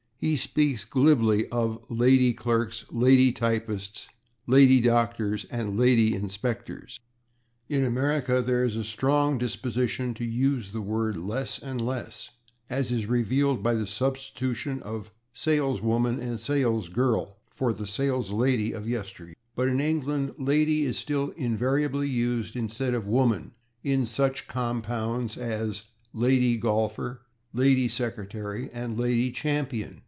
He speaks glibly of /lady clerks/, /lady typists/, /lady doctors/ and /lady inspectors/. In America there is a strong disposition to use the word less and less, as is revealed by the substitution of /saleswoman/ and /salesgirl/ for the /saleslady/ of yesteryear. But in England /lady/ is still invariably used instead of woman in such compounds as /lady golfer/, /lady secretary/ and /lady champion